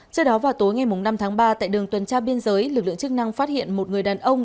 trước đó vào tối ngày năm tháng ba tại đường tuần tra biên giới lực lượng chức năng phát hiện một người đàn ông